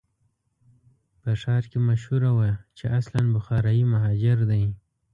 په ښار کې مشهوره وه چې اصلاً بخارایي مهاجر دی.